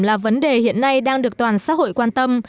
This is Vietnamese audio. là vấn đề hiện nay đang được toàn xã hội quan tâm